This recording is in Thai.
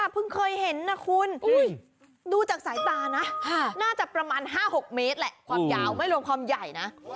โปรดติดตามตอนต่อไป